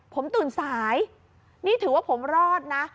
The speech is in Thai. ผมตื่นสายนี่ถือว่าผมรอดนะ